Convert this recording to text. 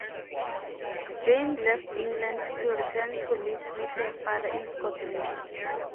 Jane left England to return to live with her father in Scotland.